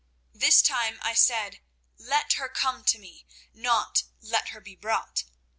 This time I said 'Let her come to me,' not 'Let her be brought.